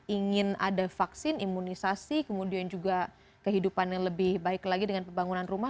ingin ada vaksin imunisasi kemudian juga kehidupan yang lebih baik lagi dengan pembangunan rumah